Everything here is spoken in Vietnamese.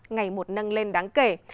ngày một nâng lên đáng kể